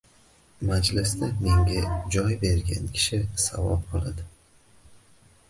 Majlisda menga joy bergan kishi savob oladi.